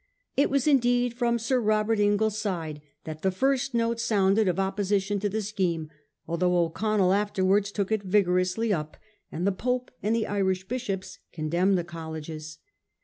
It was indeed from Sir Robert Inglis's side that the first note ' sounded of opposition to the scheme, al though O'Connell afterwards took it vigorously up, and the Pope and the Irish bishops condemned the colleges.